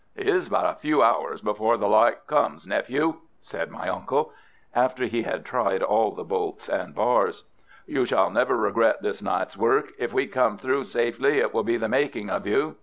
"It is but a few hours before the light comes, nephew," said my uncle, after he had tried all the bolts and bars. "You shall never regret this night's work. If we come through safely it will be the making of you.